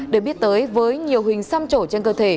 được biết tới với nhiều hình xăm trổ trên cơ thể